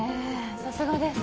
さすがです。